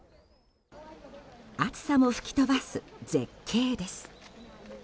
暑さも吹き飛ばす絶景です。